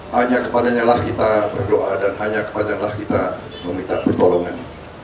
hanya kepadanya lah kita berdoa dan hanya kepadalah kita meminta pertolongan